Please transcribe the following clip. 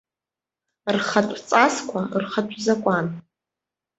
Рхатә ҵасқәа, рхатә закәан.